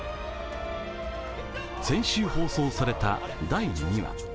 先週、放送された第２話。